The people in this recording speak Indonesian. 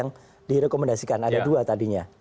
yang direkomendasikan ada dua tadinya